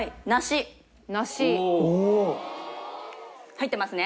入ってますね？